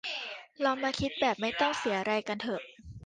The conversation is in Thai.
ลองมาคิดแบบไม่ต้องเสียอะไรกันเถอะ